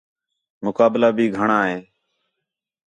مقابلہ بھی گھݨاں ہِے